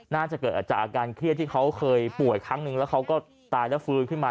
น่าจะเกิดจากอาการเครียดที่เขาเคยป่วยครั้งนึงแล้วเขาก็ตายแล้วฟื้นขึ้นมา